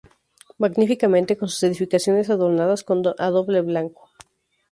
Magníficamente con sus edificaciones adornadas con adobe blanco.